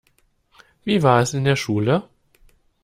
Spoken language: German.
Wie war es in der Schule?